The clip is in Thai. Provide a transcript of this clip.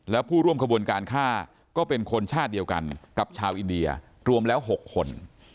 แล้วผู้ร่วมขบวนการฆ่าก็เป็นคนชาติเดียวกันกับชาวอินเดียรวมแล้ว๖คน